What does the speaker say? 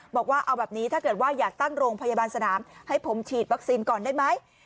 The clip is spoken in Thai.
บอกว่าเอาแบบนี้ถ้าเกิดว่าอยากตั้งโรงพยาบาลสนามให้ผมฉีดวัคซีนก่อนได้ไหม